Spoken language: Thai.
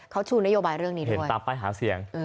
เค้าชู่นโยบายเรื่องนี้ด้วยเห็นป้๋าไปหาเสี่ยง